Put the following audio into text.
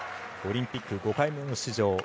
オリンピック５回目の出場。